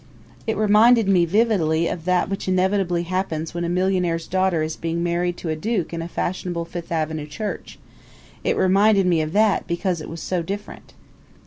It reminded me vividly of that which inevitably happens when a millionaire's daughter is being married to a duke in a fashionable Fifth Avenue church it reminded me of that because it was so different.